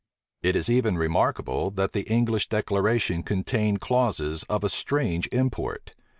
It is even remarkable, that the English declaration contained clauses of a strange import.